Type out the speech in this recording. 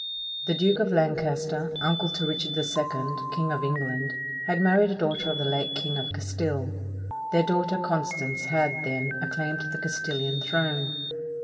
The Duke of Lancaster, uncle to Rich ard II, King of England, had married a daughter of the late King of Castile. Their daughter Constance had, then, a claim to the Castilian throne.